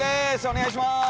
お願いします。